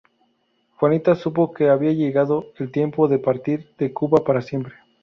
Juanita supo que había llegado el tiempo de partir de Cuba para siempre.